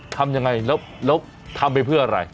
ทำยังไงแล้วทำไปเพื่ออะไร